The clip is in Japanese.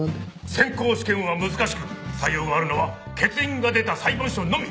選考試験は難しく採用があるのは欠員が出た裁判所のみ！